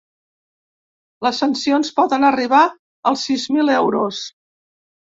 Les sancions poden arribar als sis mil euros.